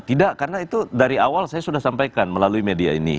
tidak karena itu dari awal saya sudah sampaikan melalui media ini